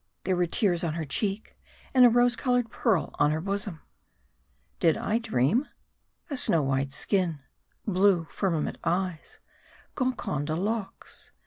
There were tears on her cheek, and a rose colored pearl on her bosom. Did I dream ? A snow white skin : blue, firmament eyes : Golconda locks.